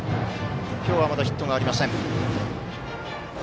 今日はまだヒットありません。